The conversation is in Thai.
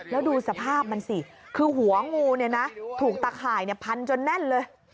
แล้วดูสภาพมันสิคือหัวงูเนี่ยนะถูกตะข่ายพันจนแน่นเลย